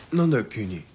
急に。